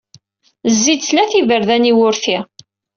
Zzi-d tlata iberdan i wurti.